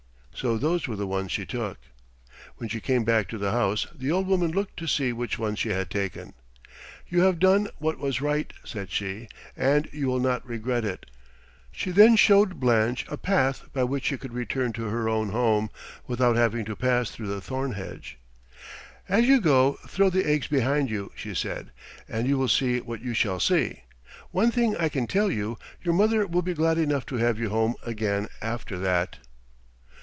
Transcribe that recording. So those were the ones she took. When she came back to the house the old woman looked to see which ones she had taken. "You have done what was right," said she, "and you will not regret it." She then showed Blanche a path by which she could return to her own home without having to pass through the thorn hedge. "As you go throw the eggs behind you," she said, "and you will see what you shall see. One thing I can tell you, your mother will be glad enough to have you home again after that."